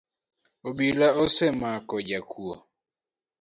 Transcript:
Obila nosemako jakuo